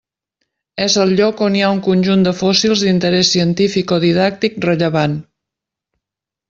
És el lloc on hi ha un conjunt de fòssils d'interés científic o didàctic rellevant.